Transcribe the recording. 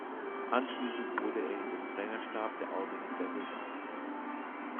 Anschließend wurde er in den Trainerstab der Albany Devils aufgenommen.